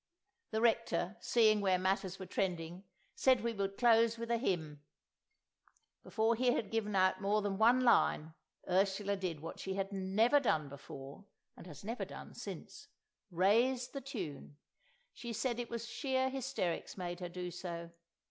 The Rector, seeing where matters were trending, said we would close with a hymn. Before he had given out more than one line, Ursula did what she had never done before, and has never done since—raised the tune! She said it was sheer hysterics made her do so.